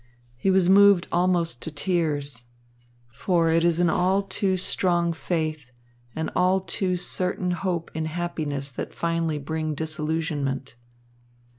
He was moved almost to tears. For it is an all too strong faith, an all too certain hope in happiness that finally bring disillusionment.